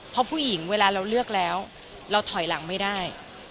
เพราะผู้หญิงเวลาเราเลือกแล้วเราถอยหลังไม่ได้